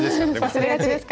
忘れがちですから。